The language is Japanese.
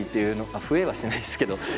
あ増えはしないですけど。